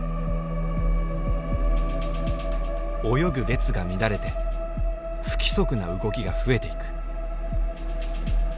泳ぐ列が乱れて不規則な動きが増えていく。